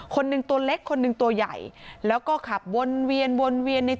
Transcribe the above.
คนหนึ่งตัวเล็กคนหนึ่งตัวใหญ่แล้วก็ขับวนเวียนวนเวียนใน